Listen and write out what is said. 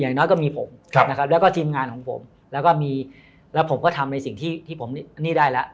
อย่างน้อยก็มีผมนะครับแล้วก็ทีมงานของผมแล้วก็มีแล้วผมก็ทำในสิ่งที่ผมนี่ได้แล้ว